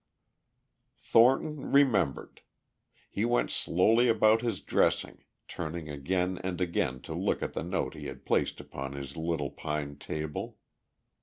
Thornton remembered. He went slowly about his dressing, turning again and again to look at the note he had placed upon his little pine table.